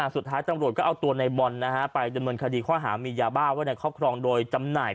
สุดท้ายตำรวจก็เอาตัวในบอลดำเนินคดีค่าหามียาบ้าด้วยจำหน่าย